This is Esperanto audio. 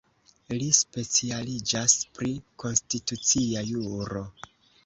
Li specialiĝas pri konstitucia juro.